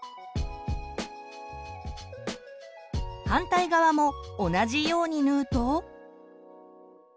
反対側も同じように縫うと。